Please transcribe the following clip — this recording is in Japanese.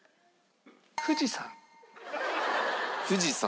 富士山。